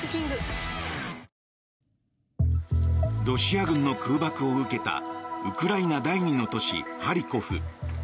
ロシア軍の空爆を受けたウクライナ第２の都市ハリコフ。